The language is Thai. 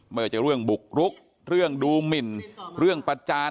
ไม่ว่าจะเรื่องบุกรุกเรื่องดูหมินเรื่องประจาน